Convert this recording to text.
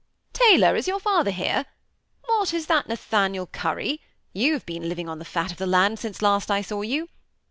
Taylor, is your father here ? What ! is that Nathaniel Curry ? you have been living on the fat of the land since last I saw you.